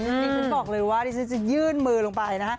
นี่ฉันบอกเลยว่าดิฉันจะยื่นมือลงไปนะฮะ